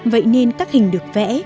vậy nên các hình được vẽ